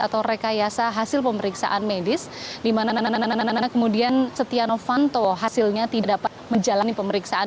karena hasil pemeriksaan medis di mana kemudian setia novanto hasilnya tidak dapat menjalani pemeriksaan